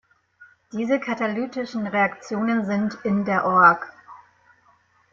Diese katalytischen Reaktionen sind in der org.